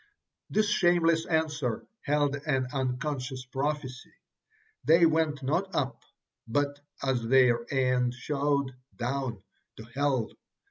This shameless answer held an unconscious prophecy. They went not up, but, as their end showed, down, to hell.